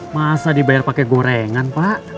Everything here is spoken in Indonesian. masa dibayar pakai gorengan pak